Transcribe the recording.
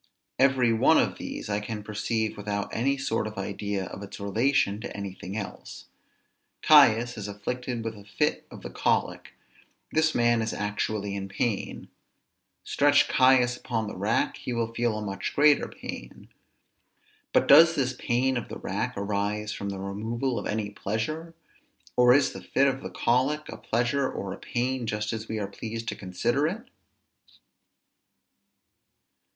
Every one of these I can perceive without any sort of idea of its relation to anything else. Caius is afflicted with a fit of the colic; this man is actually in pain; stretch Caius upon the rack, he will feel a much greater pain: but does this pain of the rack arise from the removal of any pleasure? or is the fit of the colic a pleasure or a pain just as we are pleased to consider it?